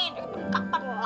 dari kapan lama